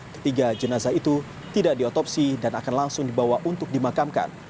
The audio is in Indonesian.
ketiga jenazah itu tidak diotopsi dan akan langsung dibawa untuk dimakamkan